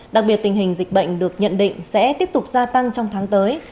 đặc biệt tình hình dịch bệnh được nhận định sẽ tiếp tục gia tăng trong tháng tới